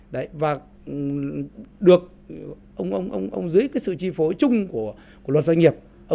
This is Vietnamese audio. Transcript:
đấy và được ông dưới cái sự chi phối chung của luật doanh nghiệp